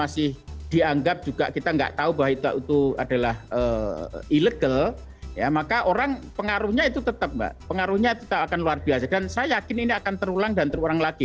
masih dianggap juga kita nggak tahu bahwa itu adalah ilegal ya maka orang pengaruhnya itu tetap mbak pengaruhnya tetap akan luar biasa dan saya yakin ini akan terulang dan terulang lagi